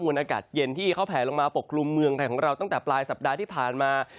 วนอากาศเย็นที่เขาแผลลงมาปกคลุมเมืองไทยของเราตั้งแต่ปลายสัปดาห์ที่ผ่านมา